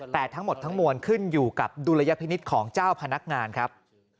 แต่ทั้งหมดทั้งมวลขึ้นอยู่กับดุลยพินิษฐ์ของเจ้าพนักงานครับ